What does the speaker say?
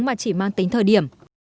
mà chỉ mang tính thời điểm